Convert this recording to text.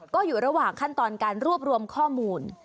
ก็อยู่ระหว่างขั้นตอนการรวบรวมข้อมูล